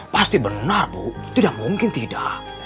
pasti benar bu tidak mungkin tidak